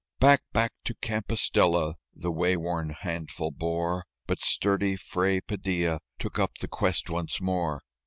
Back, back to Compostela the wayworn handful bore; But sturdy Fray Padilla took up the quest once more.